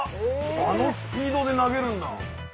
あのスピードで投げるんだ。